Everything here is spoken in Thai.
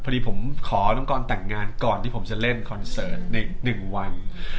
น้องกรต่างงานก่อนที่ผมจะเล่นคอนเสิร์ตในหนึ่งวัน